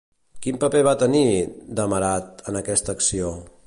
Quin paper va tenir, Demarat, en aquesta acció?